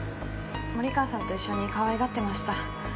森川さんと一緒に可愛がってました。